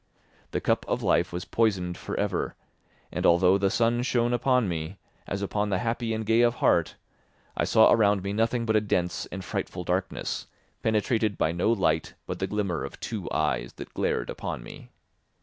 The cup of life was poisoned for ever, and although the sun shone upon me, as upon the happy and gay of heart, I saw around me nothing but a dense and frightful darkness, penetrated by no light but the glimmer of two eyes that glared upon me.